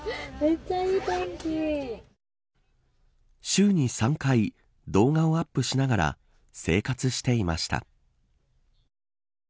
週に３回動画をアップしながら生活していました。